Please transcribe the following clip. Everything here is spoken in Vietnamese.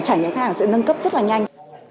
trải nghiệm khách hàng sự nâng cấp rất là nhanh